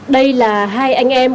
đây là hai anh em